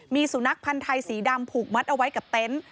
มีสุนัขพันธ์ไทยสีดำผูกมัดเอาไว้กับเต็นต์